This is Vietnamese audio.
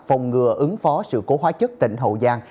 phòng ngừa ứng phó sự cố hóa chất tỉnh hậu giang